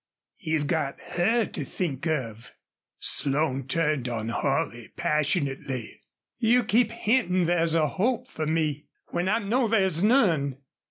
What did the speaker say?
You've got her to think of." Slone turned on Holley passionately. "You keep hintin' there's a hope for me, when I know there's none!"